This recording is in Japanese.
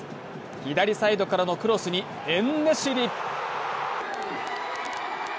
左サイドからのクロスにエン＝ネシリ。